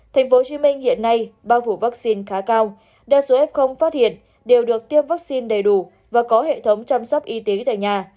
tp hcm hiện nay bao phủ vaccine khá cao đa số f phát hiện đều được tiêm vaccine đầy đủ và có hệ thống chăm sóc y tế tại nhà